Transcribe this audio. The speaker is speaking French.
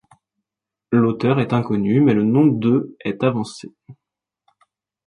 L'auteur est inconnu mais le nom de est avancé.